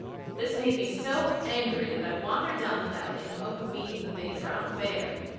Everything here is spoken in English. This made me so angry that I wandered down the valley in the hope of meeting the big brown bear.